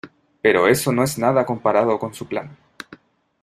pero eso no es nada comparado con su plan.